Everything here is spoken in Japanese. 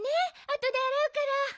あとであらうから。